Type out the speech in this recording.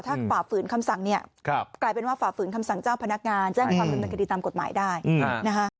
ถ้าฝ่าฝืนคำสั่งเนี่ยกลายเป็นว่าฝ่าฝืนคำสั่งเจ้าพนักงานแจ้งความดำเนินคดีตามกฎหมายได้นะคะ